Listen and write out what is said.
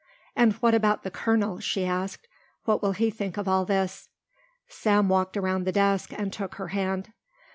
"And what about the colonel?" she asked. "What will he think of all this?" Sam walked around the desk and took her hand.